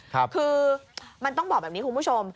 คือมันต้องบอกแบบนี้คุณผู้ชม